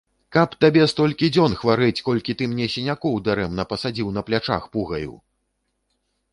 Каб табе столькі дзён хварэць, колькі ты мне сінякоў дарэмна пасадзіў на плячах пугаю!